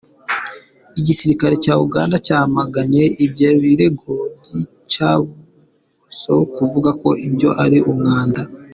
Igisirikare cya Uganda cyamaganye ibyo birego by'iyicarubozo, kivuga ko ibyo ari "umwanda.